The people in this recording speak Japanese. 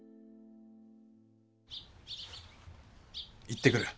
行ってくる。